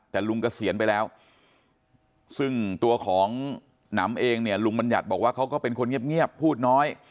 แต่ลุงเกษียณไปแล้วซึ่งตัวของหนำเองเนี่ยลุงบัญญัติบอกว่าเขาก็เป็นคนเงียบพูดน้อย